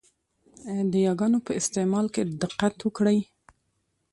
د یاګانو په استعمال کې دقت وکړئ!